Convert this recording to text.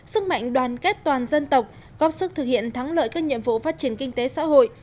sức mạnh đoàn kết toàn dân tộc góp sức thực hiện thắng lợi các nhiệm vụ phát triển kinh tế xã hội